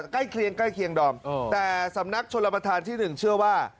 ใกล้เคียงใกล้เคียงดอมแต่สำนักชนรับประทานที่๑เชื่อว่า